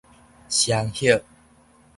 雙葉